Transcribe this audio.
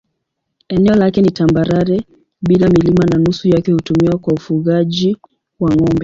Eneo lake ni tambarare bila milima na nusu yake hutumiwa kwa ufugaji wa ng'ombe.